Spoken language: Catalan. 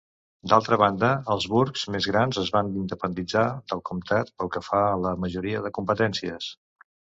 D'altra banda, els burgs més grans es van independitzar del comtat pel que fa a la majoria de competències.